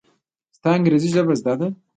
ستا انګرېزي ژبه زده ده!